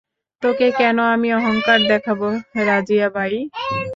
তোকে কেনো আমি অংকার দেখাবো, রাজিয়াবাই?